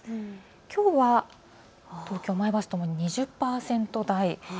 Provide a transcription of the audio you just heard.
きょうは東京、前橋、ともに２０％台。